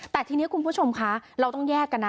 แต่ทีนี้คุณผู้ชมคะเราต้องแยกกันนะ